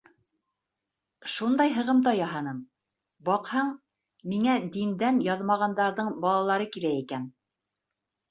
Шундай һығымта яһаным: баҡһаң, миңә диндән яҙмағандарҙың балалары килә икән.